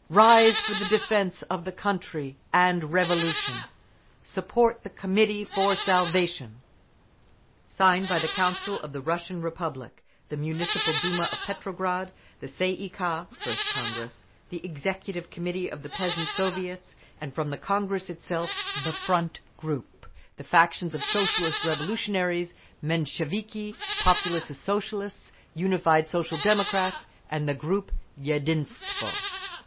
Rise for the defence of the country and Revolution! Support the Committee for Salvation! Signed by the Council of the Russian Republic, the Municipal Duma of Petrograd, the Tsay ee kah (First Congress), the Executive Committee of the Peasants' Soviets, and from the Congress itself the Front group, the factions of Socialist Revolutionaries, Mensheviki, Populist Socialists, Unified Social Democrats, and the group "Yedinstvo."